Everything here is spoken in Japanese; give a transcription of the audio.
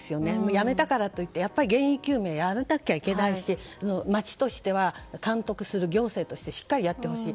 辞めたからといっても原因究明はやらなきゃいけないし町としては、監督する行政としてしっかりやってほしい。